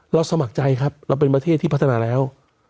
สมัครใจครับเราเป็นประเทศที่พัฒนาแล้ว